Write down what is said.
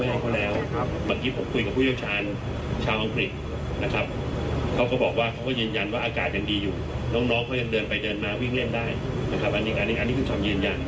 อันนี้คือส่วนยืนยัน